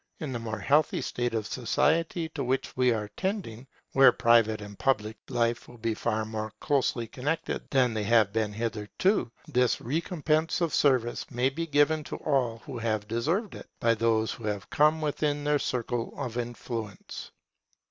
In the more healthy state of society to which we are tending, where private and public life will be far more closely connected than they have been hitherto, this recompense of service may be given to all who have deserved it, by those who have come within their circle of influence.